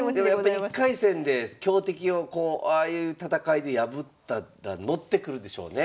やっぱ１回戦で強敵をこうああいう戦いで破っただから乗ってくるでしょうね。